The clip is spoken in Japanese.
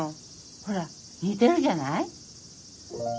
ほら似てるじゃない。